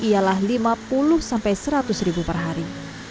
ialah lima puluh sampai seratus ribu per hari